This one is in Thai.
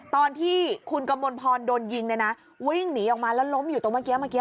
ตอนที่คุณกมลพรโดนยิงเนี่ยนะวิ่งหนีออกมาแล้วล้มอยู่ตรงเมื่อกี้เมื่อกี้